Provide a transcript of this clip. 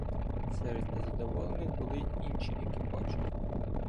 Серед незадоволених були й інші екіпажі.